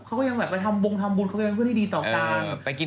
เขาก็ยังเป็นเพื่อนที่ดีต่อต่าง